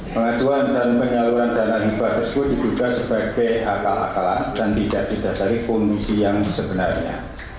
pengajuan dan penyaluran dana hibah tersebut diduga sebagai akal akalan dan tidak didasari kondisi yang sebenarnya